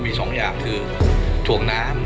มือครับมือครับมือครับ